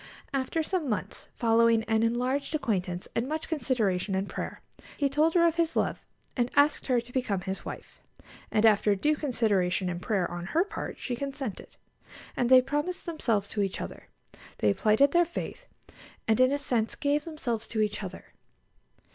After some months, following an enlarged acquaintance and much consideration and prayer, he told her of his love, and asked her to become his wife; and after due consideration and prayer on her part she consented, and they promised themselves to each other; they plighted their faith, and in a sense gave themselves to each other.